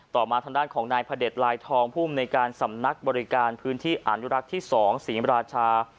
มาทางด้านของนายพระเด็จลายทองภูมิในการสำนักบริการพื้นที่อนุรักษ์ที่๒ศรีมราชา